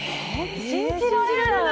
信じられない。